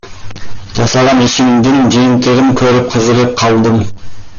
Жасаган ишимдин жыйынтыгын көрүп, кызыгып калдым.